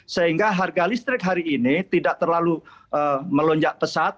sehingga harga listrik hari ini tidak terlalu melonjak pesat